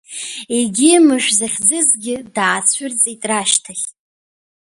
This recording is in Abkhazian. Егьи, Мышә захьӡызгьы, даацәырҵит рашьҭахь.